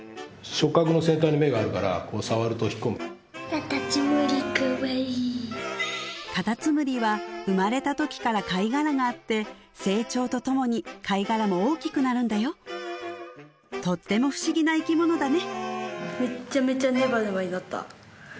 ・カタツムリかわいいカタツムリは生まれたときから貝殻があって成長とともに貝殻も大きくなるんだよとっても不思議な生き物だね